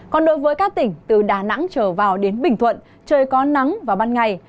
còn đối với các tỉnh từ đà nẵng trở vào đến bình thuận trời có nắng vào ban ngày